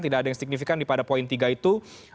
tidak ada yang signifikan pada poin tiga itu